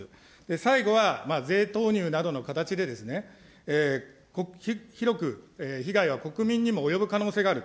最後は、税投入などの形で、広く被害は国民にも及ぶ可能性がある。